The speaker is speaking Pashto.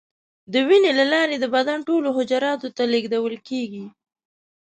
د وینې له لارې د بدن ټولو حجراتو ته لیږدول کېږي.